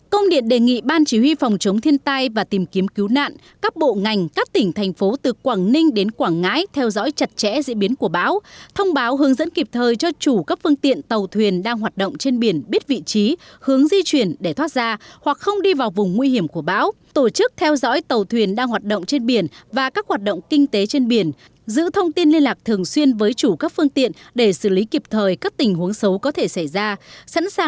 công điện đề nghị ban chỉ huy phòng chống thiên tai và tìm kiếm cứu nạn các bộ ngành các tỉnh thành phố từ quảng ninh đến quảng ngãi theo dõi chặt chẽ diễn biến của báo thông báo hướng dẫn kịp thời cho chủ các phương tiện tàu thuyền đang hoạt động trên biển biết vị trí hướng di chuyển để thoát ra hoặc không đi vào vùng nguy hiểm của báo tổ chức theo dõi tàu thuyền đang hoạt động trên biển và các hoạt động kinh tế trên biển giữ thông tin liên lạc thường xuyên với chủ các phương tiện để xử lý kịp thời các tình huống xấu có thể xảy ra